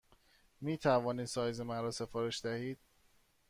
می توانید سایز مرا سفارش دهید؟